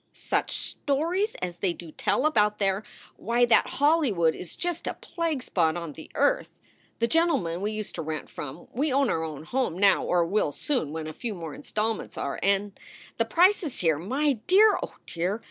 "Such stories as they do tell about their Why, that Hollywood is just a plague spot on the earth! The gent man we used to rent from We own our own home now, or will soon when a few more installments are And the prices here! my dear! oh dear!